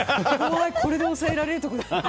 これで抑えられるところだった。